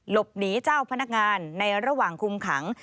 หนีเจ้าพนักงานในระหว่างคุมขัง